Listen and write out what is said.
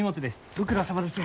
ご苦労さまです。